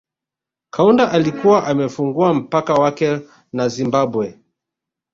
Kaunda alikuwa amefungua mpaka wake na Zimbabwe